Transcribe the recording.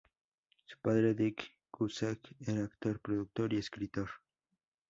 Su padre, Dick Cusack, era actor, productor y escritor.